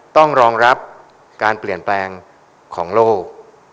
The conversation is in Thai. ต้องรองรับการเปลี่ยนแปลงของโลก